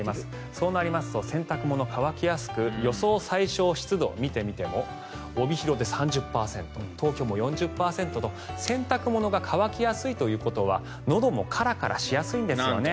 そうなりますと洗濯物乾きやすく予想最小湿度を見てみても帯広で３０％東京も４０％と洗濯物が乾きやすいということはのどもカラカラしやすいんですよね。